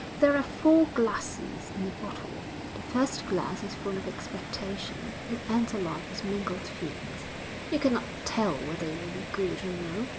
There are four glasses in a bottle. The first glass is full of expectation; you enter life with mingled feelings; you cannot tell whether it will be good or no.